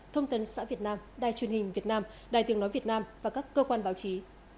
thông tấn xã việt nam đài truyền hình việt nam đài tiếng nói việt nam và các cơ quan báo chí